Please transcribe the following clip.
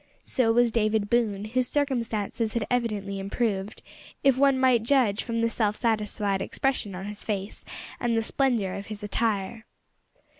So was David Boone, whose circumstances had evidently improved, if one might judge from the self satisfied expression of his face and the splendour of his attire.